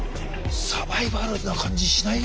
サバイバルな感じしないよ？